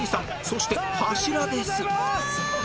そして柱です